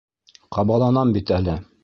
Ҡабаланам бит әле.